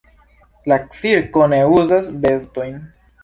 La cirko ne uzas bestojn.